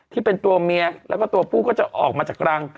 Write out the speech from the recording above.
ที่เป็นตัวเมียแล้วก็ตัวผู้ก็จะออกมาจากรัง